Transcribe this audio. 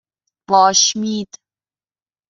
واشمید